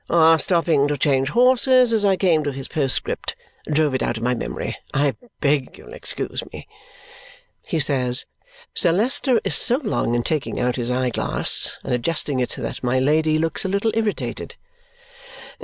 Our stopping to change horses as I came to his postscript drove it out of my memory. I beg you'll excuse me. He says " Sir Leicester is so long in taking out his eye glass and adjusting it that my Lady looks a little irritated.